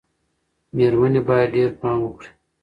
مېرمنې باید ډېر پام وکړي.